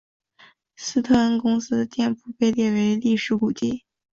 斯特恩公司的店铺被列为历史古迹。